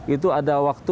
itu ada waktu